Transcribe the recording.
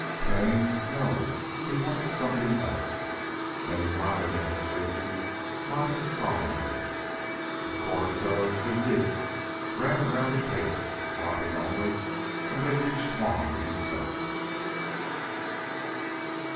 "Pain? No. He wanted something else." "And he got it," added Stacy, nodding solemnly. A chorus of "he dids" ran around the table, stopping only when they reached Juan himself.